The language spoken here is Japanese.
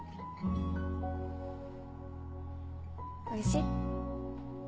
おいしい？